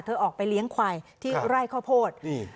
เธอออกไปเลี้ยงควายที่ไร่ข้อโพธินี่